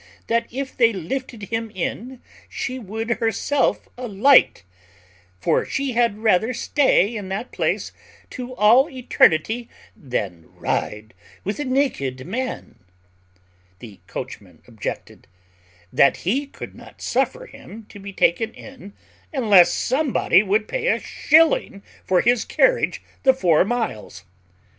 That if they lifted him in, she would herself alight: for she had rather stay in that place to all eternity than ride with a naked man." The coachman objected, "That he could not suffer him to be taken in unless somebody would pay a shilling for his carriage the four miles."